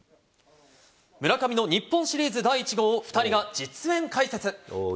村上の日本シリーズ第１号を、２人が実演解説。